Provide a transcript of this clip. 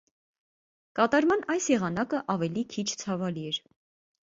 Կատարման այս եղանակը ավելի քիչ ցավալի էր։